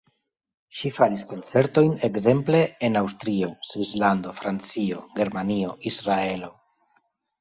Ŝi faris koncertojn ekzemple en Aŭstrio, Svislando, Francio, Germanio, Israelo.